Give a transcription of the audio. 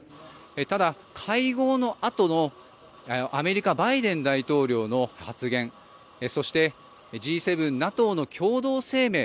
ただ、会合のあとのアメリカ、バイデン大統領の発言そして、Ｇ７ＮＡＴＯの共同声明